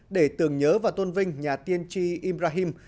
để tưởng nhớ và tôn vinh nhà tiên tri imrahim